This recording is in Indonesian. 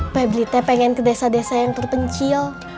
pembeli saya ingin ke desa desa yang terpencil